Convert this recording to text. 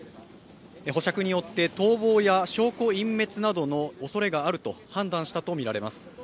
保釈によって逃亡や証拠隠滅などのおそれがあると判断したとみられます。